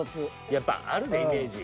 やっぱあるでイメージ。